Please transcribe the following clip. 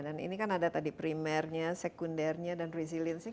dan ini kan ada tadi primernya sekundernya dan resiliensinya